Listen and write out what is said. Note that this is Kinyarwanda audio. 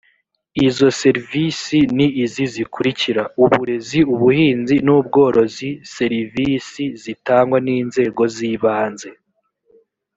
izo servisi ni izi zikurikira uburezi ubuhinzi n ubworozi serivisi zitangwa n inzego z ibanze